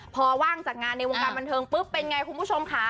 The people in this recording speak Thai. พอว่างจากงานในวงการบันเทิงปุ๊บเป็นไงคุณผู้ชมค่ะ